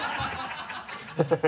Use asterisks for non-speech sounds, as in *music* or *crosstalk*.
ハハハ *laughs*